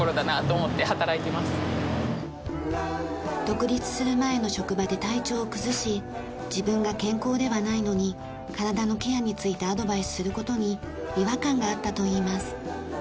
独立する前の職場で体調を崩し自分が健康ではないのに体のケアについてアドバイスする事に違和感があったといいます。